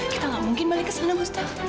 kita gak mungkin balik kesana gustaf